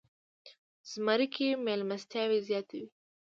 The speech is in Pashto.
زمری کې میلمستیاوې زیاتې وي.